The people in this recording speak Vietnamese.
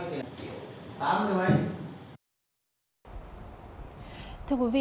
thưa quý vị thưa quý vị